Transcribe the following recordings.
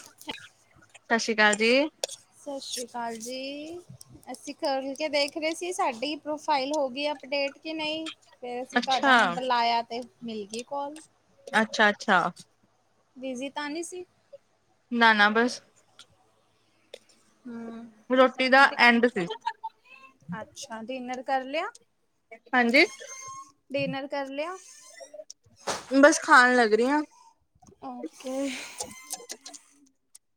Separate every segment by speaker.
Speaker 1: ਸਤਿ ਸ੍ਰੀ ਅਕਾਲ ਜੀ।
Speaker 2: ਸਤਿ ਸ਼੍ਰੀ ਅਕਾਲ ਜੀ। ਅਸੀਂ ਕਰ ਕੇ ਦੇਖ ਰਹੇ ਸੀ ਸਾਡੀ ਪ੍ਰੋਫਾਈਲ ਹੋਗੀ ਅਪਡੇਟ ਕੇ ਨਈ ਫੇਰ ਅਸੀਂ ਤੁਹਾਡਾ
Speaker 1: ਅੱਛਾ
Speaker 2: ਨੰਬਰ ਲਾਇਆ ਤੇ ਮਿਲ ਗਈ ਕਾੱਲ।
Speaker 1: ਅੱਛਾ ਅੱਛਾ।
Speaker 2: ਬਿਜੀ ਤਾਂ ਨਹੀਂ ਸੀ।
Speaker 1: ਨਾ ਨਾ ਬਸ।
Speaker 2: ਹਮ
Speaker 1: ਰੋਟੀ ਦਾ ਐਂਡ ਸੀ
Speaker 2: ਅੱਛਾ ਡਿਨਰ ਕਰ ਲਿਆ।
Speaker 1: ਹਾਂਜੀ।
Speaker 2: ਡਿਨਰ ਕਰ ਲਿਆ?
Speaker 1: ਬਸ ਖਾਣ ਲੱਗ ਰਹੇ ਹਾਂ।
Speaker 2: ਓਕੇ।
Speaker 1: [unintelligible]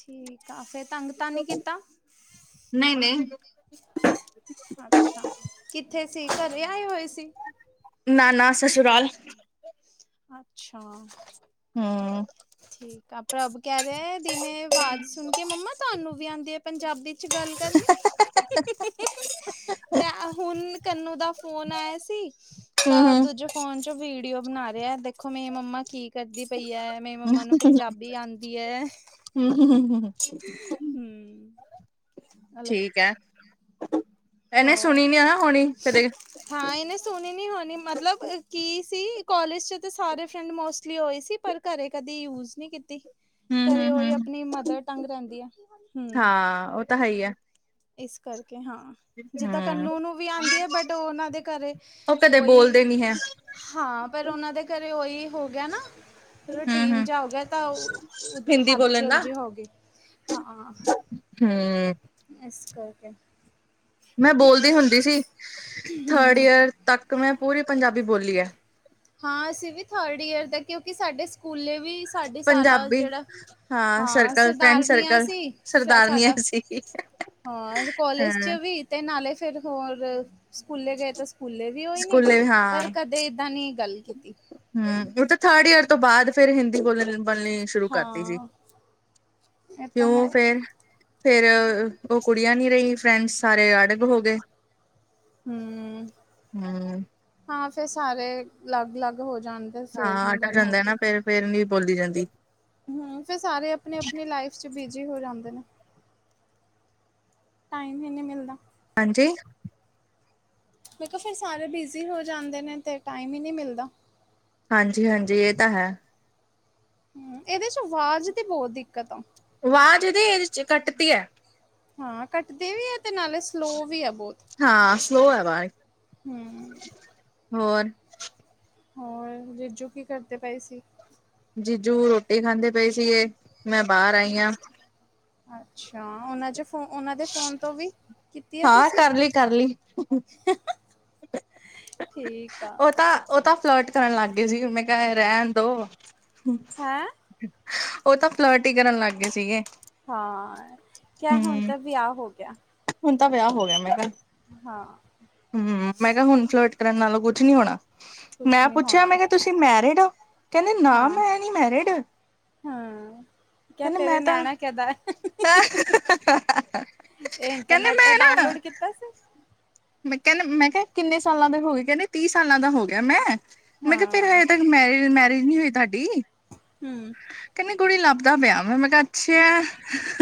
Speaker 2: ਠੀਕ ਆ ਫਿਰ ਤੰਗ ਤਾਂ ਨਹੀਂ ਕੀਤਾ।
Speaker 1: ਨਹੀਂ ਨਹੀਂ।
Speaker 2: ਅੱਛਾ ਕਿੱਥੇ ਸੀ ਘਰੇ ਆਏ ਹੋਏ ਸੀ।
Speaker 1: ਨਾ ਨਾ ਸਸੁਰਾਲ।
Speaker 2: ਅੱਛਾ।
Speaker 1: ਹਮ।
Speaker 2: ਤਾਂ ਪ੍ਰਭ ਕਹਿ ਰਹੇ ਦਿਨੇ ਆਵਾਜ਼ ਸੁਣ ਕੇ ਮੰਮਾ ਤੁਹਾਨੂੰ ਵੀ ਆਂਦੀ ਐ ਪੰਜਾਬੀ ਚ ਗੱਲ ਕਰਨੀ। ਮੈਂ ਹੁਣ ਕੰਨੂੰ ਦਾ ਫੋਨ ਆਇਆ ਸੀ। ਤਾਂ
Speaker 1: ਹਮ
Speaker 2: ਦੂਜੇ ਫੋਨ ਚ ਵੀਡੀਓ ਬਣਾ ਰਿਹਾ ਦੇਖੋ ਮੇਰੀ ਮੰਮਾ ਕੀ ਕਰਦੀ ਪਈ ਹੈ। ਮੇਰੀ ਮੰਮਾ ਨੂੰ ਪੰਜਾਬੀ ਆਂਦੀ ਹੈ।
Speaker 1: ਹਮ ਹਮ ਹਮ ਹਮਮ।
Speaker 2: ਹਮ ਹੈਲੋ।
Speaker 1: ਠੀਕ ਹੈ ਇਹਨੇ ਸੁਣੀ ਨੀ ਆ ਨਾ ਹੋਣੀ ਤਦੇ।
Speaker 2: ਹਾਂ ਇਹਨੇ ਸੁਣੀ ਨੀ ਹੋਣੀ ਮਤਲਬ ਕੀ ਸੀ ਕੋਲਜ ਚ ਤਾਂ ਸਾਰੇ ਫਰੈਂਡ ਮੋਸਟਲੀ ਹੋਈ ਸੀ ਪਰ ਘਰੇ ਕਦੀ ਯੂਜ ਨਹੀਂ ਕੀਤੀ
Speaker 1: ਹਮ
Speaker 2: ਘਰੇ
Speaker 1: ਹਮ
Speaker 2: ਓਹੀ
Speaker 1: ਹਮ
Speaker 2: ਆਪਣੀ ਮਦਰ ਟੰਗ ਰਹਿੰਦੀ ਐ ਹਮ।
Speaker 1: ਤਾਂਹੀ ਹੈ।
Speaker 2: ਇਸ ਕਰਕੇ ਹਾਂ। ਜਿੱਦਾਂ
Speaker 1: ਹਮ
Speaker 2: ਕੰਨੂੰ ਨੂੰ ਵੀ ਆਂਦੀ ਹੈ ਬਟ ਉਹਨਾਂ ਦੇ ਘਰੇ
Speaker 1: ਉਹ ਕਦੇ
Speaker 2: ਉਹੀ
Speaker 1: ਬੋਲਦੇ ਨੀ ਹੈ
Speaker 2: ਹਾਂ ਪਰ ਉਹਨਾਂ ਦੇ ਘਰੇ ਉਹੀ ਹੋ ਗਿਆ ਨਾ
Speaker 1: ਹਮ
Speaker 2: ਰੂਟੀਨ
Speaker 1: ਹਮ
Speaker 2: ਜਾ ਹੋਗੇ ਤਾਂ
Speaker 1: ਹਿੰਦੀ ਬੋਲਣ
Speaker 2: ਹੈਬਚਯੂਲ
Speaker 1: ਦਾ
Speaker 2: ਜ ਹੋਗੇ ਹਾਂ।
Speaker 1: ਹਮ।
Speaker 2: ਇਸ ਕਰਕੇ।
Speaker 1: ਮੈਂ ਬੋਲਦੀ ਹੁੰਦੀ ਸੀ ਥਰਡ ਈਅਰ ਤੱਕ ਮੈਂ ਪੂਰੀ ਪੰਜਾਬੀ ਬੋਲੀ ਏ।
Speaker 2: ਹਾਂ ਅਸੀਂ ਵੀ ਥਰਡ ਈਅਰ ਦਾ ਕਿਉਂਕਿ ਸਾਡੇ ਸਕੂਲੇ ਵੀ ਸਾਡੇ ਸਾਰਾ
Speaker 1: ਪੰਜਾਬੀ
Speaker 2: ਜਿਹੜਾ, ਹਾਂ ਸਰਦਾਰਨੀਆਂ ਸੀ
Speaker 1: ਸਰਦਾਰਨੀਆਂ
Speaker 2: ਸਾਡਾ
Speaker 1: ਸੀ।
Speaker 2: ਹਾਂ, ਅੱਜ ਕਾਲੇਜ
Speaker 1: ਹਾਂ
Speaker 2: ਚ ਵੀ ਤੇ ਨਾਲੇ ਫਿਰ ਹੋਰ ਸਕੂਲੇ ਗਏ ਤਾਂ ਸਕੂਲੇ ਵੀ ਹੋ ਹੀ ਨੇ,
Speaker 1: ਸਕੂਲੇ
Speaker 2: ਪਰ
Speaker 1: ਹਾਂ
Speaker 2: ਕਦੇ ਇੱਦਾਂ ਨਹੀਂ ਗੱਲ ਕੀਤੀ।
Speaker 1: ਹਮ ਉਹ ਤਾਂ ਥਰਡ ਈਅਰ ਤੋਂ ਬਾਅਦ ਫਿਰ ਹਿੰਦੀ ਬੋਲ ਬੋਲਣੀ ਸ਼ੁਰੂ ਕਰਤੀ ਸੀ।
Speaker 2: ਹਾਂ ਇਹ ਤਾਂ
Speaker 1: ਕਿਉਂ
Speaker 2: ਹੈ।
Speaker 1: ਫੇਰ ਫੇਰ ਉਹ ਕੁੜੀਆਂ ਨੀ ਰਹੀ ਫਰੈਂਡਸ ਸਾਰੇ ਅੜਗ ਹੋ ਗਏ।
Speaker 2: ਹਮ
Speaker 1: ਹੂੰ
Speaker 2: ਹਾਂ ਫੇਰ ਸਾਰੇ ਅਲੱਗ ਅਲੱਗ ਹੋ ਜਾਂਦੇ।
Speaker 1: ਹਾਂ ਆਡਾ [unintelligible] ਜਾਂਦਾ ਨਾ ਫੇਰ ਫੇਰ ਨੀ ਬੋਲੀ ਜਾਂਦੀ।
Speaker 2: ਹਮ ਫੇਰ ਸਾਰੇ ਆਪਣੀ ਆਪਣੀ ਲਾਈਫ ਚ ਬਿਜੀ ਹੋ ਜਾਂਦੇ ਨੇ। ਟਾਈਮ ਹੀ ਨਹੀਂ ਮਿਲਦਾ।
Speaker 1: ਹਾਂਜੀ।
Speaker 2: ਮੈ ਕਿਹਾ ਫੇਰ ਸਾਰੇ ਬਿਜ਼ੀ ਹੋ ਜਾਂਦੇ ਨੇ ਤੇ ਟਾਈਮ ਹੀ ਨਹੀਂ ਮਿਲਦਾ।
Speaker 1: ਹਾਂਜੀ- ਹਾਂਜੀ ਇਹ ਤਾਂ ਹੈ।
Speaker 2: ਹ ਇਹਦੇ ਚ ਆਵਾਜ਼ ਦੀ ਬਹੁਤ ਦਿੱਕਤ ਆ।
Speaker 1: ਆਵਾਜ਼ ਦੀ ਇਹਦੇ ਚ ਕੱਟਦੀ ਹੈ।
Speaker 2: ਹਾਂ ਕੱਟਦੇ ਵੀ ਹੈ ਤੇ ਨਾਲੇ ਸਲੋ ਵੀ ਆ ਬਹੁਤ
Speaker 1: ਹਾਂ ਸਲੋ ਹੈ ਆਵਾਜ਼
Speaker 2: ਹਮ।
Speaker 1: ਹੋਰ।
Speaker 2: ਹੋਰ, ਰਿਜੂ ਕੀ ਕਰਦੇ ਪਏ ਸੀ।
Speaker 1: ਜੀਜੂ ਰੋਟੀ ਖਾਂਦੇ ਪਈ ਸੀਗੇ, ਮੈਂ ਬਾਹਰ ਆਈ ਹਾਂ।
Speaker 2: ਅੱਛਾ, ਉਹਨਾਂ ਚ ਫੋ ਉਹਨਾਂ ਦੇ ਫੋਨ ਤੋਂ ਵੀ ਕੀਤੀ ਆ
Speaker 1: ਹਾਂ
Speaker 2: ਤੁਸੀਂ
Speaker 1: ਕਰਲੀ -ਕਰਲੀ
Speaker 2: ਠੀਕ ਆ।
Speaker 1: ਉਹ ਤਾਂ ਉਹ ਤਾਂ ਫਲੋਟ ਕਰਨ ਲੱਗ ਗਏ ਸੀ ਮੈਂ ਕਿਹਾ ਰਹਿਣ ਦੋ
Speaker 2: ਹੈਂ।
Speaker 1: ਉਹ ਤਾਂ ਫਲੋਟ ਹੀ ਕਰਨ ਲੱਗ ਗਏ ਸੀਗੇ।
Speaker 2: ਹਾਂ, ਕਿਆ ਹੁਣ
Speaker 1: ਹੂੰ
Speaker 2: ਤਾਂ ਵਿਆਹ ਹੋ ਗਿਆ।
Speaker 1: ਹੁਣ ਤਾਂ ਵਿਆਹ ਹੋ ਗਿਆ ਮੇਰਾ,
Speaker 2: ਹਾਂ।
Speaker 1: ਹਮ ਮੈਂ ਕਿਹਾ ਹੁਣ ਫਲੋਟ ਕਰਨ ਨਾਲੋਂ ਕੁਛ ਨੀ ਹੋਣਾ।
Speaker 2: ਕੁਛ
Speaker 1: ਮੈਂ
Speaker 2: ਨੀ
Speaker 1: ਪੁੱਛਿਆ,
Speaker 2: ਹੋਣਾ
Speaker 1: ਮੈਂ ਕਿਹਾ ਤੁਸੀਂ ਮੈਰਿਡ ਹੋ ਕਹਿੰਦੇ ਨਾ
Speaker 2: ਹਾਂ
Speaker 1: ਮੈਂ ਨੀ ਮੈਰਿਡ
Speaker 2: ਹਾਂ ਕਿਆ ਫੇਰ
Speaker 1: ਮੈਂ ਤਾਂ
Speaker 2: ਨਿਆਣਾ ਕਿਹਦਾ। ਇਹ
Speaker 1: ਕਹਿੰਦੇ
Speaker 2: ਇੰਟਰਨੈਟ
Speaker 1: ਮੈਂ ਨਾ
Speaker 2: ਡਾਊਨਲੋਡ ਕੀਤਾ ਸੀ।
Speaker 1: ਮੈਂ ਕਹਿੰਦੇ, ਮੈਂ ਕਿਹਾ ਕਿੰਨੇ ਸਾਲਾਂ ਦੇ ਹੋ ਗਏ ਕਹਿੰਦੇ ਤੀਹ ਸਾਲਾਂ ਦਾ ਹੋ ਗਿਆ ਮੈਂ, ਮੈਂ ਕਿਹਾ ਫੇਰ
Speaker 2: ਹਾਂ
Speaker 1: ਹਜੇ ਤ ਮੈਰਿ ਮੈਰਿਜ ਨਹੀਂ ਹੋਈ ਤੁਹਾਡੀ।
Speaker 2: ਹਮ।
Speaker 1: ਕਹਿੰਦੇ ਕੁੜੀ ਲੱਭਦਾ ਪਿਆ ਮੈਂ, ਮੈਂ ਕਿਹਾ ਅੱਛਾ ਆ।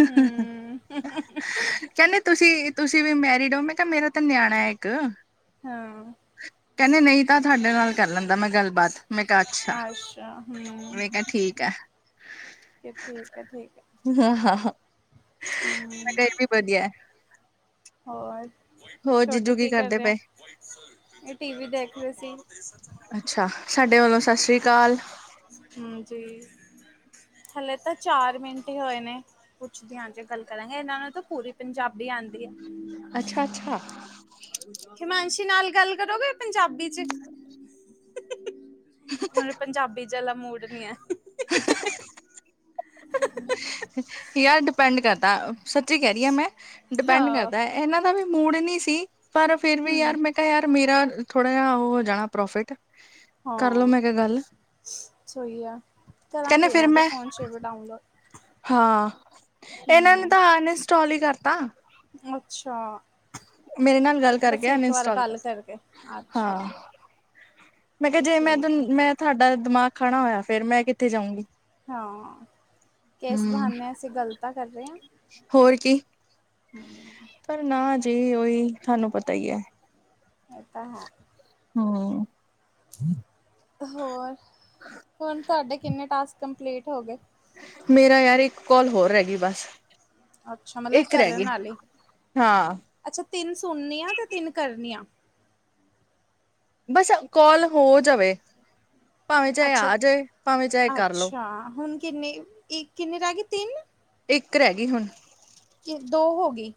Speaker 2: ਹਮ
Speaker 1: ਕਹਿੰਦੇ ਤੁਸੀਂ, ਤੁਸੀਂ ਵੀ ਮੈਰਿਡ ਹੋ ਮੈਂ ਕਿਹਾ ਮੇਰਾ ਤਾਂ ਨਿਆਣਾ ਹੈ ਇੱਕ।
Speaker 2: ਹਾਂ।
Speaker 1: ਕਹਿੰਦੇ ਨਹੀਂ ਤਾਂ ਤੁਹਾਡੇ ਨਾਲ ਕਰ ਲੈਂਦਾ ਮੈਂ ਗੱਲਬਾਤ, ਮੈਂ ਕਿਹਾ ਅੱਛਾ,
Speaker 2: ਅੱਛਾ ਹਮ
Speaker 1: ਮੈਂ ਕਿਹਾ ਠੀਕ। ਕਾਹ।
Speaker 2: ਠੀਕ -ਠੀਕ ਹੈ।
Speaker 1: ਹਾਂ- ਹਾਂ -ਹਾਂ।
Speaker 2: ਹਦੀ। [unintelligible]
Speaker 1: ਵਧੀਆ।
Speaker 2: ਹੋਰ,
Speaker 1: ਹੋਰ
Speaker 2: ਛੋਟੂ
Speaker 1: ਜੀਜੂ
Speaker 2: ਕੀ ਕਰ
Speaker 1: ਕਰਦੇ
Speaker 2: ਰਿਹਾ?
Speaker 1: ਪਏ
Speaker 2: ਏ ਟੀ ਵੀ ਦੇਖ ਰਹੇ ਸੀ।
Speaker 1: ਅੱਛਾ ਸਾਡੇ ਵੱਲੋਂ ਸਤਿ ਸ੍ਰੀ ਅਕਾਲ
Speaker 2: ਹਾਂਜੀ, ਹਲੇ ਤਾ ਚਾਰ ਮਿੰਟ ਈ ਹੋਏ ਨੇ। ਪੁੱਛਦੇ ਆਂ ਜੇ ਗੱਲ ਕਰਾਂਗੇ, ਇੰਨਾਂ ਨੂੰ ਤਾਂ ਪੂਰੀ ਪੰਜਾਬੀ ਆਉਂਦੀ ਏ।
Speaker 1: ਅੱਛਾ, ਅੱਛਾ।
Speaker 2: ਹਿਮਾਂਸ਼ੀ ਨਾਲ ਗੱਲ ਕਰੋਗੇ ਪੰਜਾਬੀ ਚ, ਹੁਨ ਪੰਜਾਬੀ ਜਾਲਾ ਮੂੜ ਨੀ ਐ।
Speaker 1: [inaudible]
Speaker 2: [inaudible]
Speaker 1: ਯਾਰ ਡਪੈਂਡ ਕਰਦਾ, ਸੱਚੀ ਕੈ ਰੀ ਆਂ ਮੈਂ, ਡਿਪੈਂਡ
Speaker 2: ਹਾਂ
Speaker 1: ਕਰਦਾ ਏ। ਐਨਾ ਦਾ ਵੀ ਮੂੜ ਨੀ ਸੀ, ਪਰ ਫੇਰ ਵੀ
Speaker 2: ਹੂੰ
Speaker 1: ਯਾਰ ਮੈਂ ਤਾ ਯਾਰ ਮੇਰਾ ਥੋੜਾ ਜਾ ਹੋ ਜਾਨਾ ਪ੍ਰੋਫਿਟ ਕਰਲੋ
Speaker 2: ਹਾਂ
Speaker 1: ਮੈਂ ਕਿਹਾ ਗੱਲ
Speaker 2: ਸਈ ਐ,
Speaker 1: ਕਹਿੰਦੇ
Speaker 2: ਕਰਾਂਗੀ
Speaker 1: ਫਿਰ
Speaker 2: ਇਨਾਂ ਦੇ
Speaker 1: ਮੈਂ
Speaker 2: ਫੋਨ ਚ ਵੀ ਡਾਊਨਲੋਡ
Speaker 1: ਹਾਂ ਇਹਨਾਂ ਨੇ
Speaker 2: ਹੂੰ
Speaker 1: ਤਾਂ ਅਨਇੰਸਟਾਲ ਹੀ ਕਰਤਾ।
Speaker 2: ਅੱਛਾ।
Speaker 1: ਮੇਰੇ ਨਾਲ ਗੱਲ
Speaker 2: ਬਸ
Speaker 1: ਕਰਕੇ
Speaker 2: ਇੱਕ ਵਾਰ
Speaker 1: ਅਨਇੰਸਟਾਲ
Speaker 2: ਗੱਲ
Speaker 1: ਕਰ
Speaker 2: ਕਰਕੇ
Speaker 1: ਹਾਂ
Speaker 2: ਅੱਛਾ।
Speaker 1: ਮੈਂ ਕਿਹਾ
Speaker 2: ਤੇ
Speaker 1: ਜੇ ਮੈਂ,
Speaker 2: ਠੀਕ ਆ
Speaker 1: ਮੈਂ ਤੁਹਾਡਾ ਦਿਮਾਗ ਖਾਣਾ ਹੋਇਆ ਫੇਰ ਮੈਂ ਕਿੱਥੇ ਜਾਊਂਗੀ।
Speaker 2: ਹਾਂ ਕਿਸ
Speaker 1: ਹਮ
Speaker 2: ਬਹਾਨੇ ਅਸੀਂ ਗਲ ਤਾਂ ਕਰ ਰਹੇ ਹਾਂ।
Speaker 1: ਹੋਰ ਕੀ, ਪਰ ਨਾ ਜੀ ਉਹੀ ਤੁਹਾਨੂੰ ਪਤਾ ਹੀ ਹੈ।
Speaker 2: ਏ ਤਾਂ ਹੈ।
Speaker 1: ਹੂੰ।
Speaker 2: ਹੋਰ, ਹੁਨ ਤਾਡੇ ਕਿੰਨੇ ਟਾਸਕ ਕੰਪਲੀਟ ਹੋ ਗੇ?
Speaker 1: ਮੇਰਾ ਯਾਰ ਇੱਕ ਕੋਲ ਹੋਰ ਰੈ ਗਈ, ਬਸ।
Speaker 2: ਅੱਛਾ, ਮਤਲਬ
Speaker 1: ਇੱਕ ਰਹਿ ਗਈ
Speaker 2: ਕਰਨ ਆਲੀ,
Speaker 1: ਹਾਂ
Speaker 2: ਅੱਛਾ ਤਿਨ ਸੁਨੀਆਂ, ਤੇ ਤਿੰਨ ਕਰਨੀਆਂ।
Speaker 1: ਬਸ ਕੋਲ ਹੋ ਜਾਵੇ, ਭਾਵੇਂ ਚਾਏ ਆ ਜੇ, ਪਾਵੇਂ ਚਾਏ ਕਾਰ ਲੋ।
Speaker 2: ਹਾਂ, ਹੁਨ ਕਿੰਨੀ, ਈ ਕਿੰਨੀ ਰੈਗੀ ਤਿੰਨ?
Speaker 1: ਇੱਕ ਰੈਗੀ ਹੁਨ
Speaker 2: ਕੇ ਦੋ ਹੋਗੀ?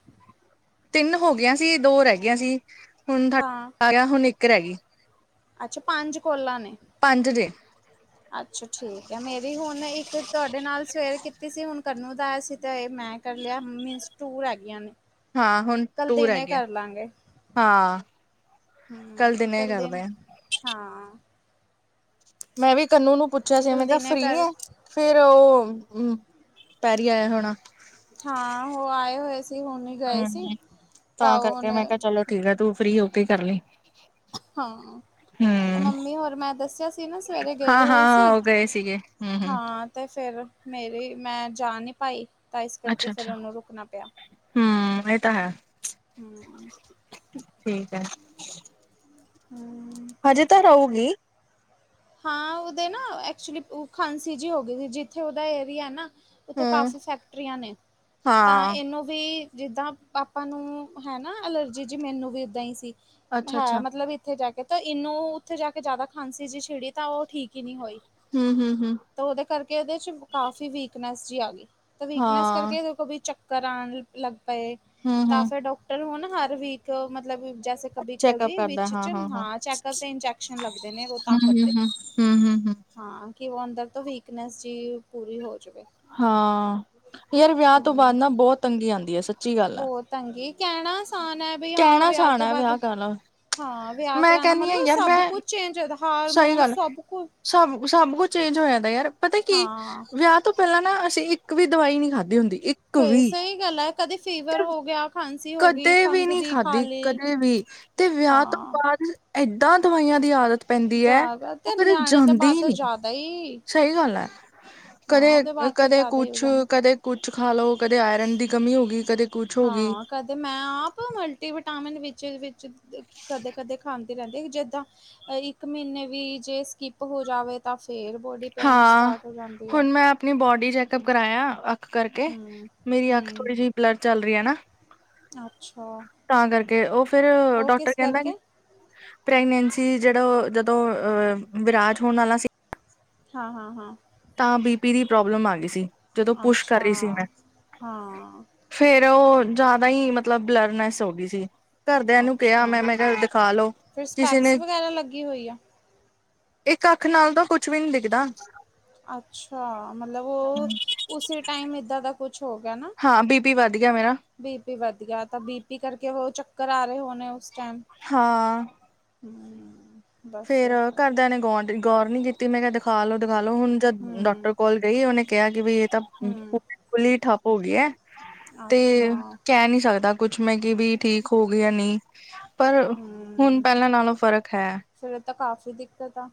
Speaker 1: ਤਿੰਨ ਹੋ ਗਿਆਂ ਸੀ, ਦੋ ਰੈ ਗਿਆਂ ਸੀ, ਹੁਨ
Speaker 2: ਹਾਂ
Speaker 1: ਤਾਡਾ ਆ ਗੇਆ ਹੁਨ ਇੱਕ ਰੈਗੀ।
Speaker 2: ਅੱਛਾ, ਪਾੰਜ ਕੋਲਾਂ ਨੇ।
Speaker 1: ਪਾੰਜ ਜੇ।
Speaker 2: ਅੱਛਾ, ਠੀਕ ਐ, ਮੇਰੀ ਹੋਨ ਇੱਕ ਤੁਆਡੇ ਨਾਲ ਸਵੇਰੇ ਕੀਤੀ ਸੀ, ਹੁਨ ਕੰਨੂੰ ਦਾ ਆਯਾ ਸੀ, ਤੇ ਏ ਮੈਂ ਕਰ ਲੇਆ ਮੀਨਸ ਟੂ ਰੈਗੀਆ ਨੇ।
Speaker 1: ਹਾਂ, ਹੁਨ
Speaker 2: ਕੱਲ
Speaker 1: ਟੂ
Speaker 2: ਦਿਨੇ
Speaker 1: ਰੈਗਿਐ,
Speaker 2: ਕਰ
Speaker 1: ਹਾਂ। ਕੱਲ ਦਿਨੇ
Speaker 2: ਹੂੰ,
Speaker 1: ਕਰਦੇ ਆ
Speaker 2: [unintelligible] ਹਾਂ।
Speaker 1: ਮੈਂ ਵੀ ਕੰਨੂੰ ਨੂੰ ਪੁੱਛੇਆ ਸੀ,
Speaker 2: ਚੱਲ
Speaker 1: ਮੈਂ ਕੇਆ
Speaker 2: ਦਿਨੇ
Speaker 1: ਫ੍ਰੀ
Speaker 2: ਕਰ
Speaker 1: ਐ? ਫੇਰ, ਓ [inaudible] ਪੈਰੀ ਆਯਾ ਹੋਣਾ?
Speaker 2: ਹਾਂ, ਓ ਆਏ ਹੋਏ ਸੀ ਹੋਨੀ
Speaker 1: ਹੂੰ, ਤਾ ਕਰਕੇ ਮੈ ਕੇਆ, ਚਲੋ ਠੀਕ ਐ ਤੂੰ ਫ੍ਰੀ ਹੋਕੇ ਈ ਕਰਲੀਂ।
Speaker 2: ਹਾਂ। ਓ ਮੰਮੀ ਹੋਰ ਮੈ ਦੱਸੇਆ ਸੀ ਨਾ, ਸਵੇਰੇ ਗਏ
Speaker 1: ਹਾਂ
Speaker 2: ਹੋਏ
Speaker 1: ਹਾਂ
Speaker 2: ਸੀ,
Speaker 1: ਉਹ ਗਏ ਸੀਗੇ ਹਮ ਹਮ
Speaker 2: ਹਾਂ ਤੇ ਫੇਰ ਮੇਰੀ ਮੈਂ ਜਾ ਨੀ ਪਾਈ, ਤਾ ਇਸ ਕਰਕੇ ਫੇਰ ਓਨੂੰ ਰੁਕਨਾ ਪੇਆ।
Speaker 1: ਹੂੰ, ਏ ਤਾ ਹੈ।
Speaker 2: ਹੂੰ।
Speaker 1: ਠੀਕ ਐ।
Speaker 2: ਹੂੰ।
Speaker 1: ਹਜੇ ਤਾ ਰਊਗੀ।
Speaker 2: ਹਾਂ, ਉਦੇ ਨਾ ਐਕਚੁਲੀ ਖਾਂਸੀ ਜੀ ਹੋਗੀ ਸੀ, ਜਿੱਥੇ ਓਦਾ ਏਰੀਆ ਏ ਨਾ ਓਥੇ
Speaker 1: ਹਮ
Speaker 2: ਕਾਫੀ ਫੈਕਟਰੀਆਂ ਨੇ, ਤਾ
Speaker 1: ਹਾਂ
Speaker 2: ਏਨੂੰ ਵੀ ਜਿੱਦਾਂ ਪਾਪਾ ਨੂੰ ਹੈਨਾ ਅਲਰਜੀ ਜੀ, ਮੈਨੂੰ ਵੀ ਇੱਦਾ ਈ ਸੀ,
Speaker 1: ਅੱਛਾ
Speaker 2: ਹਾਂ
Speaker 1: ਅੱਛਾ
Speaker 2: ਮਤਲਬ ਇੱਥੇ ਰੈ ਕੇ। ਤੇ ਇਨੂੰ ਉੱਥੇ ਜਾ ਕੇ ਜਾਦਾ ਖਾਂਸੀ ਜਿ ਛਿੜੀ, ਤਾ ਓ ਠੀਕ ਈ ਨੀ ਹੋਈ।
Speaker 1: ਹੂੰ, ਹੂੰ, ਹੂੰ।
Speaker 2: ਤਾਂ ਓਦੇ ਕਰਕੇ ਓਦੇ 'ਚ ਕਾਫੀ ਵੀਕਨੈਸ ਜੀ ਆ ਗਈ, ਤਾਂ ਵੀਕਨੈਸ
Speaker 1: ਹਾਂ
Speaker 2: ਕਰਕੇ ਏਦੇ ਕੋ ਵੀ ਚੱਕ ਕਰਾਨ ਲੱਗ ਪਏ,
Speaker 1: ਹਮ
Speaker 2: ਤਾਂ
Speaker 1: ਹਮ
Speaker 2: ਫਿਰ ਡੋਕਟਰ ਹੁਨ ਹਰ ਵੀਕ ਮਤਲਬ ਜ ਕਬੀ ਕਵੀ ਵਿੱਚ ਚ, ਹਾਂ ਚੈਕਪ ਤੇ ਇੰਜੈਕਸ਼ਨ ਲੱਗਦੇ ਨੇ ਓ ਤਾਕਤ ਦੇ
Speaker 1: ਹੂੰ, ਹੂੰ, ਹੂੰ।
Speaker 2: ਹਾਂ ਕਿ ਅੰਦਰ ਤੋਂ ਵੀਕਨੈਸ ਜੀ ਪੂਰੀ ਹੋ ਜਾਵੇ
Speaker 1: ਹਾਂ ਯਾਰ ਵਿਆਹ ਤੋਂ ਬਾਅਦ ਨਾ ਬਹੁਤ ਤੰਗੀ ਆਉਂਦੀ ਹੈ ਸੱਚੀ ਗੱਲ ਆ
Speaker 2: ਬਹੁਤ ਤੰਗੀ ਕਹਿਣਾ ਆਸਾਨ ਹੈ ਬਈ ਹਾਂ
Speaker 1: ਕਹਿਣਾ
Speaker 2: ਵਿਆਹ ਤੋਂ
Speaker 1: ਸਹਾਣਾ
Speaker 2: ਬਾਅਦ
Speaker 1: ਕਰ ਲਓ
Speaker 2: ਹਾਂ ਵਿਆਹ ਕਰਾਉਣਾ ਮਤਲਬ ਸਭ ਕੁਛ ਚੇਂਜ ਉਹਦਾ
Speaker 1: ਸਈ ਗੱਲ ਐ, ਸਬ, ਸਬ ਕੁਛ ਚੇਂਜ ਹੋ ਜਾਂਦਾ ਯਾਰ, ਪਤਾ ਕੀ
Speaker 2: ਹਾਂ
Speaker 1: ਵਿਆ ਤੋਂ ਪੈਲਾਂ ਨਾ, ਅਸੀਂ ਇੱਕ ਵੀ ਦਵਾਈ ਨੀ ਖਾਦੀ ਹੁੰਦੀ ਇੱਕ
Speaker 2: ਕਈ,
Speaker 1: ਵੀ
Speaker 2: ਸਈ ਗੱਲ ਐ, ਕਦੇ ਫੀਵਰ
Speaker 1: ਤੇ
Speaker 2: ਹੋ ਗੇਆ
Speaker 1: ਕਦੇ ਵੀ ਨੀ ਖਾੱਦੀ, ਕਦੇ ਵੀ, ਤੇ ਵਿਆ ਤੋ
Speaker 2: ਹਾਂ
Speaker 1: ਬਾਦ ਐਦਾ ਦਵਾਈਆਂ ਦੀ ਆਦਤ ਪੈਂਦੀ ਐ, ਓ
Speaker 2: ਤੇ
Speaker 1: ਕਦੇ
Speaker 2: ਨਿਆਣੇ ਤਾਂ
Speaker 1: ਜਾਂਦੀ
Speaker 2: ਬਾਅਦ
Speaker 1: ਈ
Speaker 2: ਤੋਂ
Speaker 1: ਨੀ।
Speaker 2: ਜ਼ਿਆਦਾ ਹੀ
Speaker 1: ਸਈ ਗਾੱਲ ਐ,
Speaker 2: ਹਾਂ
Speaker 1: ਕਦੇ
Speaker 2: ਉਹਦੇ ਬਾਅਦ ਤੋਂ
Speaker 1: ਕ
Speaker 2: ਜ਼ਿਆਦਾ ਹੀ ਹੋ
Speaker 1: ਕੁੱਛ,
Speaker 2: ਜਾਂਦਾ।
Speaker 1: ਕਦੇ ਕੁਛ ਖਾ ਲੋ ਕਦੇ ਆਏਰਨ ਦੀ ਕਮੀ ਹੋ ਗਈ ਕਦੇ ਕੁਛ ਹੋ ਗਈ
Speaker 2: ਹਾਂ ਕਦੇ ਮੈਂ ਆਪ ਮਲਟੀਵਿਟਾਮਿਨ ਵਿੱਚ, ਵਿੱਚ ਕਦੇ, ਕਦੇ ਖਾਂਦੇ ਰੈਂਦੇ ਜਿੱਦਾਂ, ਇੱਕ ਮ੍ਹੀਨੇ ਵੀ ਜੇ ਸਿਕੀਪ ਹੋ ਜਾਵੇ ਤਾਂ ਫੇਰ ਬੋੜੀ ਪੇਨ
Speaker 1: ਹਾਂ
Speaker 2: ਸਟਾਟ ਹੋ ਜਾਂਦੀ ਆ।
Speaker 1: ਮੈਂ ਹੁਣ ਬੋਡੀ ਚੈੱਕਅਪ ਕਰਵਾਇਆ ਅੱਖ ਕਰਕੇ ਮੇਰੀ ਅੱਖ
Speaker 2: ਹੂੰ-ਹੂੰ
Speaker 1: ਥੋੜੀ ਜਿਹੀ ਬਲਰ ਚੱਲ ਰਹੀ ਹੈ ਨਾ
Speaker 2: ਅੱਛਾ
Speaker 1: ਤਾਂ ਕਰਕੇ ਉਹ ਫਿਰ
Speaker 2: ਉਹ
Speaker 1: ਡਾਕਟਰ
Speaker 2: ਕਿਸ
Speaker 1: ਕਹਿੰਦਾ
Speaker 2: ਕਰਕੇ?
Speaker 1: ਪ੍ਰੈਗਨੈਂਸੀ ਜਿਹੜਾ ਜਦੋਂ ਅਹ ਵਿਰਾਜ ਹੋਣ ਵਾਲਾ ਸੀ
Speaker 2: ਹਾਂ ਹਾਂ ਹਾਂ
Speaker 1: ਤਾਂ ਬੀ ਪੀ ਦੀ ਪ੍ਰੋਬਲਮ ਆ ਗਈ ਸੀ ਜਦੋਂ ਪੁਸ਼
Speaker 2: ਅੱਛਾ ਹਾਂ
Speaker 1: ਫਿਰ ਉਹ ਜ਼ਿਆਦਾ ਹੀ ਮਤਲਬ ਬਲਰਨੈਸ ਹੋ ਗਈ ਸੀ ਘਰਦਿਆਂ ਨੂੰ ਕਿਹਾ ਮੈਂ
Speaker 2: ਅੱਛਾ
Speaker 1: ਮੈਂ ਕਿਹਾ ਦਿਖਾਲਓ
Speaker 2: ਫਿਰ
Speaker 1: ਕਿਸੇ
Speaker 2: ਸਪੈਕਸ
Speaker 1: ਨੇ
Speaker 2: ਵਗੈਰਾ ਲੱਗੀ ਹੋਈ ਆ।
Speaker 1: ਇੱਕ ਅੱਖ ਨਾਲ ਤਾਂ ਕੁੱਛ ਵੀ ਨੀ ਦਿਖਦਾ
Speaker 2: ਅੱਛਾ ਮਤਲਬ ਉਹ ਉਸੇ ਟਾਈਮ ਏਦਾਂ ਦਾ ਕੁਛ ਹੋ ਗਿਆ ਨਾ
Speaker 1: ਹਾਂ ਬੀ ਪੀ ਵੱਧ ਗਿਆ ਮੇਰਾ
Speaker 2: ਬੀ ਪੀ ਵੱਧ ਗਿਆ ਤਾਂ ਬੀਪੀ ਕਰਕੇ ਉਹ ਚੱਕਰ ਆ ਰਹੇ ਹੋਣੇ ਉਸ ਟਾਈਮ
Speaker 1: ਹਾਂ
Speaker 2: ਹੂ,,,
Speaker 1: ਫਿਰ ਘਰਦਿਆਂ ਨੇ ਗੌਰ ਗੌਰ ਨੀ ਕੀਤੀ ਮੈਂ ਕਿਹਾ ਦਿਖਾ ਲੋੋ ਦਿਖਾ ਲੋ ਹੁਣ ਜਦ ਡਾਕਟਰ
Speaker 2: ਹੂੰ,
Speaker 1: ਕੋਲ ਗਈ ਉਹਨੇ ਕਿਹਾ ਕਿ ਬਈ ਇਹ ਤਾਂ
Speaker 2: ਹੂੰ,
Speaker 1: ਬੁੱਲੀ ਠੱਪ ਹੋ ਗਈ ਹੈ ਤੇ
Speaker 2: ਅੱਛਾ
Speaker 1: ਕਹਿ ਨੀ ਸਕਦਾ ਕੁਛ ਮੈਂ ਕਿ ਵੀ ਠੀਕ ਹੋ ਗਿਆ ਨਹੀਂ ਪਰ ਹੁਣ
Speaker 2: ਹੂੰ,
Speaker 1: ਪਹਿਲਾਂ ਨਾਲੋਂ ਫ਼ਰਕ ਹੈ
Speaker 2: ਫਿਰ ਤਾਂ ਕਾਫ਼ੀ ਦਿੱਕਤ ਆ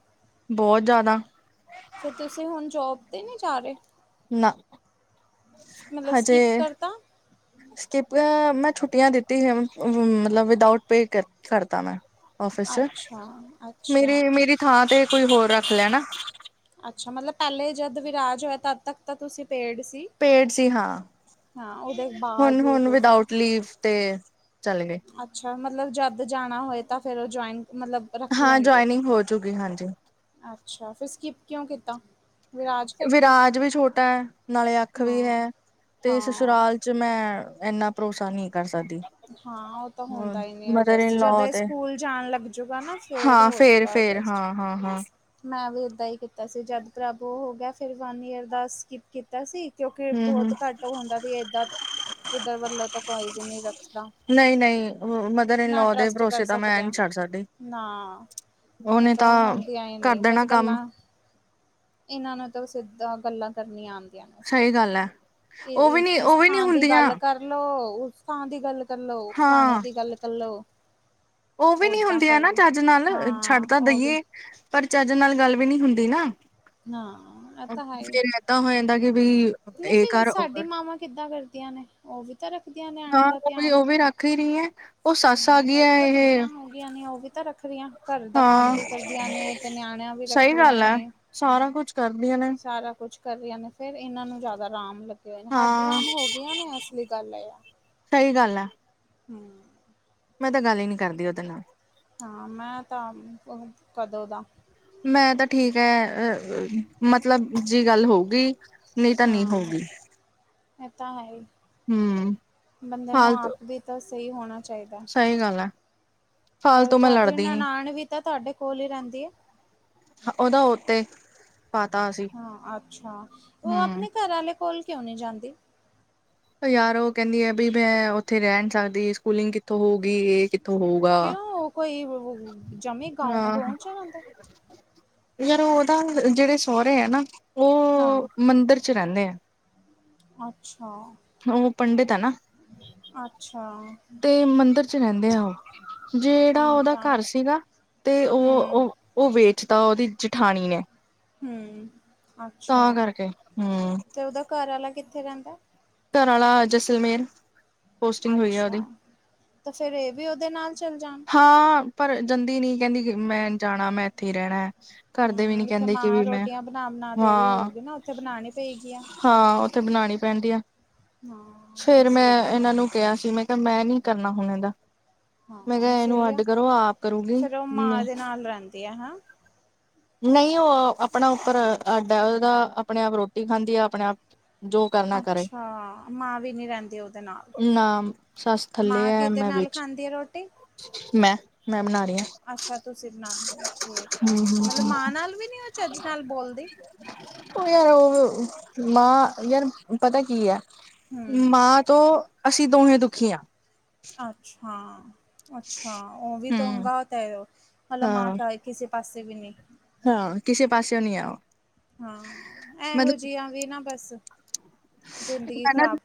Speaker 1: ਬਹੁਤ ਜ਼ਿਆਦਾ
Speaker 2: ਫਿਰ ਤੁਸੀਂ ਹੁਣ ਜੋਬ ਤੇ ਨਹੀ ਜਾ ਰਹੇ
Speaker 1: ਨਾ
Speaker 2: ਮਤਲਬ
Speaker 1: ਹਜੇ
Speaker 2: ਸਕਿਪ ਕਰਤਾ
Speaker 1: ਸਕਿਪ ਮੈਂ ਛੁੱਟੀਆਂ ਦਿੱਤੀ ਸੀ ਮਤਲਬ ਵਿਦਾਓਟ ਪੇ ਕਰਤਾ ਮੈਂ ਆਫਿਸ ਚ
Speaker 2: ਅੱਛਾ,
Speaker 1: ਮੇਰੀ
Speaker 2: ਅੱਛਾ।
Speaker 1: ਮੇਰੀ ਥਾਂ ਤੇ ਕੋਈ ਹੋਰ ਰੱਖ ਲਿਆ ਨਾ
Speaker 2: ਅੱਛਾ ਮਤਲਬ ਪਹਿਲੇ ਜਦ ਵਿਰਾਜ ਹੋਇਆ ਤਦ ਤੱਕ ਤਾਂ ਤੁਸੀਂ ਪੇਡ ਸੀ
Speaker 1: ਪੇਡ ਸੀ ਹਾਂ
Speaker 2: ਹਾਂ ਉਹਦੇ
Speaker 1: ਹੁਣ
Speaker 2: ਬਾਅਦ
Speaker 1: ਹੁਣ
Speaker 2: ਤੁਸੀਂ
Speaker 1: ਵਿਦਊਟ ਲੀਵ ਤੇ ਚੱਲ ਗਏ
Speaker 2: ਅੱਛਾ ਮਤਲਬ ਜਦ ਜਾਣਾ ਹੋਏ ਤਾਂ ਫਿਰ ਉਹ ਜੁਆਇਨ ਮਤਲਬ ਰੱਖ
Speaker 1: ਹਾਂ
Speaker 2: ਲੈਣਗੇ
Speaker 1: ਜੁਆਇਨਿੰਗ ਹੋ ਚੁੱਕੀ ਹਾਂਜੀ
Speaker 2: ਅੱਛਾ ਫਿਰ ਸਕਿਪ ਕਿਉਂ ਕੀਤਾ ਵਿਰਾਜ ਕਰਕੇ
Speaker 1: ਵਿਰਾਜ ਵੀ ਛੋਟਾ ਹੈ ਨਾਲੇ ਅੱਖ ਵੀ ਹੈ
Speaker 2: ਹਾਂ,
Speaker 1: ਤੇ
Speaker 2: ਹਾਂ।
Speaker 1: ਸੁਸਰਾਲ ਚ ਮੈਂ ਇੰਨਾ ਭਰੋਸਾ ਨਹੀਂ ਕਰ ਸਕਦੀ
Speaker 2: ਹਾਂ ਉਹ ਤਾਂ ਹੁੰਦਾ ਹੀ ਨਹੀ
Speaker 1: ਮਦਰ
Speaker 2: ਅਡਜਸਟ
Speaker 1: ਇਨ
Speaker 2: ਜਦ
Speaker 1: ਲੋ ਤੇ
Speaker 2: ਸਕੂਲ ਜਾਣ ਲੱਗਜੂਗਾ ਨਾ ਫਿਰ
Speaker 1: ਹਾਂ ਫੇਰ
Speaker 2: ਹੋਜੂਗਾ
Speaker 1: ਫੇਰ
Speaker 2: ਅਜਸਟ
Speaker 1: ਹਾਂ ਹਾਂ ਹਾਂ
Speaker 2: ਮੈਂ ਵੀ ਏਦਾਂ ਹੀ ਕੀਤਾ ਸੀ ਜਦ ਪ੍ਰਭ ਹੋ ਗਿਆ ਫਿਰ ਵਨ ਈਅਰ ਦਾ ਸਕਿਪ ਕੀਤਾ ਸੀ ਕਿਉਂਕਿ
Speaker 1: ਹੂੰ
Speaker 2: ਬਹੁਤ
Speaker 1: ਹੂੰ
Speaker 2: ਘੱਟ ਹੁੰਦਾ ਸੀ ਏਦਾਂ ਇੱਧਰ ਵੱਲੋਂ ਤਾਂ ਕੋਈ ਵੀ ਨੀ ਰੱਖ
Speaker 1: ਨਹੀਂ। ਨਹੀਂ। ਮ।
Speaker 2: ਨਾ। ਟਰਸਟ। ਕਰ। ਸਕਦੇ। ਆ। ਨਾ। ਉਹ। ਤਾਂ। ਹੁੰਦੀਆਂ। ਹੀ।
Speaker 1: ਕਰ
Speaker 2: ਨਹੀਂ। ਬਸ।
Speaker 1: ਦੇਣਾ ਕੰਮ
Speaker 2: ਗੱਲਾਂ। ਇਹਨਾਂ। ਨੂੰ। ਤਾਂ। ਸਿੱਧਾ। ਗੱਲਾਂ। ਕਰਨ। ਆਉਂਦੀਆਂ। ਨੇ।
Speaker 1: ਸਹੀ ਗੱਲ ਹੈ ਉਹ ਵੀ ਨੀ
Speaker 2: ਸਿਰਫ। ਇਸ।
Speaker 1: ਉਹ ਵੀ ਨੀ
Speaker 2: ਥਾਂ। ਦੀ।
Speaker 1: ਹੁੰਦੀਆਂ
Speaker 2: ਗੱਲ। ਕਰ। ਕਰਲੋ। ਉਸਥਾਂ। ਦੀ। ਗੱਲ। ਕਰਲੋ। ਫਲਾਣਿਆਂ।
Speaker 1: ਹਾਂ
Speaker 2: ਦੀ। ਗੱਲ। ਕਰਲੋ।
Speaker 1: ਉਹ ਵੀ ਨੀ ਹੁੰਦੀਆਂ ਨਾ ਚੱਜ ਨਾਲ ਛੱਡਦਾ
Speaker 2: ਉਹ
Speaker 1: ਦਈਏ। ਪਰ ਚੱਜ ਨਾ ਗੱਲ ਵੀ ਨਹੀਂ ਹੁੰਦੀ ਨਾ
Speaker 2: ਨਾ ਇਹ ਤਾਂ ਹੈ ਹੀ
Speaker 1: ਫੇਰ ਏਦਾਂ ਹੋ ਜਾਂਦਾ ਕਿ ਵੀ
Speaker 2: ਨਹੀਂ
Speaker 1: ਇਹ
Speaker 2: ਫਿਰ
Speaker 1: ਕਰ ਉਹ
Speaker 2: ਸਾਡੀ
Speaker 1: ਕਰ
Speaker 2: ਮਾਵਾਂ ਕਿੱਦਾਂ ਕਰਦੀਆਂ ਨੇ। ਉਹ ਵੀ ਤਾਂ ਰੱਖਦੀਆਂ ਨਿਆਣੇ ਦਾ ਧਿਆਨ।
Speaker 1: ਕਰਰੀਏ।
Speaker 2: ਹੂ ਉਹ ਵੀ ਤਾਂ ਬੁੱਢੀਆਂ ਹੋ ਗਈਆਂ ਨੇ ਉਹ ਵੀ ਤਾਂ ਰੱਖਦੀਆਂ ਘਰ ਦਾ ਕੰਮ
Speaker 1: ਹਾਂ
Speaker 2: ਵੀ ਕਰਦੀਆਂ ਨੇ। ਤੇ ਨਿਆਣਿਆਂ ਵੀ ਰੱਖ
Speaker 1: ਸਹੀ
Speaker 2: ਰਆਂ
Speaker 1: ਗੱਲ
Speaker 2: ਨੇ
Speaker 1: ਹੈ ਸਾਰਾ ਕੁਛ ਕਰਦੀਆਂ ਨੇ
Speaker 2: ਸਾਰਾ ਕੁਛ। ਕਰਹੀ ਨੇ ਫਿਰ ਇਹਨਾਂ ਨੂੰ ਜ਼ਿਆਦਾ ਆਰਾਮ ਲੱਗੇ ਹੋਏ ਨੇ ਹੱਡ
Speaker 1: ਹਾਂ
Speaker 2: ਆਰਾਮ ਹੋ ਗਈਆਂ ਨੇ ਅਸਲੀ ਗੱਲ ਹੈ ਆ।
Speaker 1: ਸਹੀ ਗੱਲ ਹੈ।
Speaker 2: ਹੂ,,,
Speaker 1: ਮੈਂ ਤਾਂ ਗੱਲ ਹੀ ਨਹੀਂ ਕਰਦੀ ਉਹਦੇ ਨਾਲ।
Speaker 2: ਹਾਂ। ਮੈਂ। ਤਾਂ। ਕਦੋਂ। ਦਾ।
Speaker 1: ਮੈਂ। ਤਾਂ। ਠੀਕ। ਹੈ। ਮਤਲਬ। ਜਿ। ਗੱਲ। ਹੋਊਗੀ। ਨਹੀਂ ਤਾਂ ਨਹੀਂ
Speaker 2: ਹਾਂ।
Speaker 1: ਹੋਊਗੀ
Speaker 2: ਇਹ। ਤਾਂ। ਹੈ। ਹੀ।
Speaker 1: ਹਮ
Speaker 2: ਬੰਦੇ। ਨੂੰ।
Speaker 1: ਫਾਲਤੂ
Speaker 2: ਆਪ। ਵੀ। ਤਾਂ। ਸਹੀ। ਹੋਣਾ। ਚਾਹੀਦਾ।
Speaker 1: ਸਹੀ ਗੱਲ ਹੈ
Speaker 2: ਹੋਰ।
Speaker 1: ਫਾਲਤੂ ਮੈਂ
Speaker 2: ਤੁਹਾਡੀ।
Speaker 1: ਲੜਦੀ ਨੀ
Speaker 2: ਨਨਾਣ। ਵੀ। ਤਾਂ। ਤੁਹਾਡੇ। ਕੋਲ। ਹੀ। ਰਹਿੰਦੀ। ਹੈ।
Speaker 1: ਉਹਦਾ। ਉ। ਤੇ।
Speaker 2: ਹਾਂ। ਅੱਛਾ। ਉਹ।
Speaker 1: ਹਮ
Speaker 2: ਆਪਣੇ। ਘਰ। ਆੇ। ਕੋਲ। ਕਿਉਂ। ਨਹੀਂ। ਜਾਂਦੀ।
Speaker 1: ਯਾਰ। ਉਹ। ਕਹਿੰਦੀ। ਹੈ। ਬ। ਮੈਂ। ਉੱਥੇ। ਰਹਿਣ। ਸਕਦੀ। ਸਕੂਲਿੰਗ। ਕਿੱਥੋਂ। ਹੋਊਗੀ। ਇਹ। ਕਿੱਥੋਂ ਹੋਊਗਾ
Speaker 2: ਕਿਉਂ। ਉਹ। ਕੋਈ। ਜਮੀ। ਗਾ।
Speaker 1: ਹਾਂ
Speaker 2: ਗਾ। ਚ। ਜਾਂਂਦਾ।
Speaker 1: ਯਾਰ। ਉਹਦਾ। ਜਿਹੜੇ। ਸਹੁਰੇ। ਹੈ। ਨਾ।
Speaker 2: ਹਾਂ
Speaker 1: ਉਹ। ਮੰਦਿਰ। ਚ। ਰਹਿੰਦੇ। ਆ।
Speaker 2: ਅੱਛਾ।
Speaker 1: ਉਹ। ਪੰਡਿਤ। ਹੈ। ਨਾ।
Speaker 2: ਅੱਛਾ
Speaker 1: ਤੇ। ਮੰਦਿਰ। ਚ। ਰਹਿੰਦੇ। ਆ। ਉਹ। ਜਿਹੜਾ।
Speaker 2: ਠੀਕ
Speaker 1: ਉਹਦਾ।
Speaker 2: ਆ
Speaker 1: ਘਰ। ਸੀਗਾ। ਤੇ। ਉਹ।
Speaker 2: ਹਮ
Speaker 1: ਉਹ। ਉਹ। ਵੇਚਦਾ। ਉਹਦੀ। ਜਠਾਣੀ। ਨੇ।
Speaker 2: ਹਮ। ਅੱਛਾ।
Speaker 1: ਤਾਂ ਕਰਕੇ ਹੂੰ
Speaker 2: ਤੇ। ਉਹਦਾ। ਘਰ। ਆਾ। ਕਿੱਥੇ। ਰਹਿੰਦਾ।
Speaker 1: ਘਰ। ਵਾਲਾ। ਜਸਲਮੇਰ।
Speaker 2: ਅੱਛਾ। ਤੇ। ਫੇਿਰ। ਇਹ। ਵੀ। ਉਹਦੇ। ਨਾਲ। ਚੱਲ। ਜਾਣ।
Speaker 1: ਹਾਂ। ਪਰ। ਜਾਂਦੀ। ਨੀ। ਕਹਿੰਦੀ। ਮੈਂ। ਜਾਣਾ। ਮੈਂ। ਇੱਥੇ। ਹੀ। ਰਹਿਣਾ। ਘਰਦੇ ਵੀ
Speaker 2: ਹਮ।
Speaker 1: ਨੀ
Speaker 2: ਇੱਥੇ।
Speaker 1: ਕਹਿੰਦੇ ਕਿ
Speaker 2: ਮਾਂ।
Speaker 1: ਵੀ ਮੈਂ
Speaker 2: ਰੋਟੀਆਂ। ਬਣਾ। ਬਣਾ। ਦੇ। ਰਹੀ।
Speaker 1: ਹਾਂ
Speaker 2: ਹੋਊਗੀ। ਨਾ। ਉੱਥੇ। ਬਣਾਣੀ। ਪਏਗੀ। ਆ।
Speaker 1: ਹਾਂ। ਉੱਥੇ। ਬਣਾਉਣੀ। ਪੈਂਦੀ। ਆ।
Speaker 2: ਹਾਂ।
Speaker 1: ਫੇਰ ਮੈਂ
Speaker 2: ਇਸਲਈ
Speaker 1: ਇਹਨਾਂ। ਨੂੰ। ਕਿਹਾ। ਸੀ। ਮੈਂ। ਕਿਹਾ। ਮੈਂ। ਨੀ। ਕਰਨਾ। ਹੁਣ। ਇਹ। ਦਾ।
Speaker 2: ਹਾਂ। ਸਹੀ। ਆ।
Speaker 1: ਆਪ ਕਰੂਗੀ
Speaker 2: ਫੇਿਰ। ਉਹ। ਮਾਂ। ਦੇ। ਨਾਲ। ਰਹਿੰਦੀ। ਆ। ਹੈ।
Speaker 1: ਨਹੀਂ। ਉਹ। ਆਪਣਾ। ਉੱਪਰ। ਅੱਡ। ਹੈ। ਉਹਦਾ। ਆਪਣੇ। ਆਪ। ਰੋਟੀ। ਖਾਂਦੀ। ਆ। ਆਪਣੇ। ਆਪ ਜੋ। ਕਰ।
Speaker 2: ਅੱਛਾ। ਮਾਂ। ਵੀ। ਨਹੀਂ। ਰਹਿੰਦੀ। ਉਹਦੇ। ਨਾਲ।
Speaker 1: ਨਾਮ।
Speaker 2: ਮਾਂ। ਕਿਦੇ। ਨਾਲ। ਖਾਂਦੀ। ਹੈ। ਰੋਟੀ।
Speaker 1: ਮੈਂ ਮੈਂ ਬਣਾ ਰਹੀ ਹਾਂ।
Speaker 2: ਅੱਛਾ ਤੁਸੀਂ ਬਣਾਉਂਦੇ ਹੋ ਠੀਕ ਆ
Speaker 1: ਹਮ ਹਮ
Speaker 2: ਮਤਲਬ
Speaker 1: ਹਮ।
Speaker 2: ਮਾਂ ਨਾਲ ਵੀ ਨੀ ਉਹ ਚੱਜ ਨਾਲ ਬੋਲਦੀ?
Speaker 1: ਉਹ ਯਾਰ ਉਹ ਮਾਂ ਯਾਰ ਪਤਾ ਕੀ ਹੈ
Speaker 2: ਹਮ
Speaker 1: ਮਾਂ ਤੋਂ ਅਸੀਂ ਦੋਹੇ ਦੁਖੀ ਹਾਂ।
Speaker 2: ਅੱਛਾ ਅੱਛਾ ਉਹ ਵੀ ਤਾਂ
Speaker 1: ਹਮ।
Speaker 2: ਉੁੰਗਾਤ ਮਤਲਬ ਮ
Speaker 1: ਹਾਂ
Speaker 2: ਕਿਹਾਿਆ। ਕਿਸੇ ਪਾਸੇ ਵੀ ਨਹੀਂ।
Speaker 1: ਹਾਂ ਕਿਸੇ ਪਾਸੇਓ ਨਹੀਂ ਉਹ।
Speaker 2: ਹਾਂ, ਇਹੋ
Speaker 1: ਮਤਲਬ
Speaker 2: ਜਿਹੀਆ ਵੀ ਨਾ ਬਸ ਜ਼ਿੰਦਗੀ
Speaker 1: ਮੈਂ ਨਾ
Speaker 2: ਖਰਾਬ।